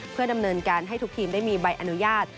เพื่อดำเนินการให้ทุกทีมได้มีใบอนุญาต